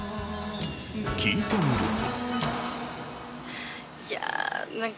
聞いてみると。